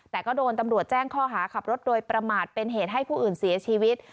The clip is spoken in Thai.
แต่ก็โดนตำรวจแจ้งข้อหาขับรถโดยประมาทเป็นเหตุให้ผู้อื่นเสียชีวิต